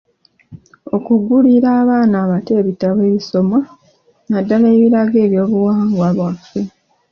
Okugulira abaana abato ebitabo ebisomwa, naddala ebiraga eby'obuwangwa bwaffe.